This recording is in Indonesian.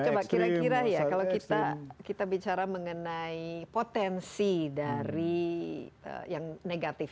coba kira kira ya kalau kita bicara mengenai potensi dari yang negatif